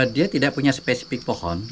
dia tidak punya spesifik pohon